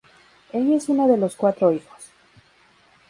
Ella es una de los cuatro hijos.